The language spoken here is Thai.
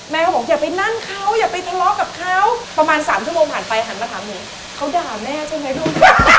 แม่เค้าบอกอย่าไปนั่งเค้าอย่าไปทะเลาะกับเค้าประมาณสามชั่วโมงผ่านไปหันมาถามหนูเขายะแม่ใช่มั้ยลูก